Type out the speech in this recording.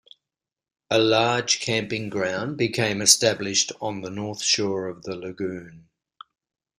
A large camping ground became established on the north shore of the lagoon.